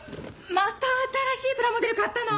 また新しいプラモデル買ったの？